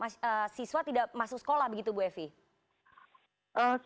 siswa tidak masuk sekolah begitu bu evi